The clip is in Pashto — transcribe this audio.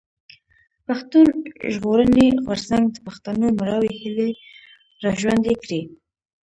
پښتون ژغورني غورځنګ د پښتنو مړاوي هيلې را ژوندۍ کړې.